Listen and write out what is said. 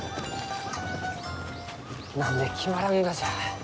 何で決まらんがじゃ？